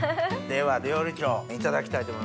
では料理長いただきたいと思います。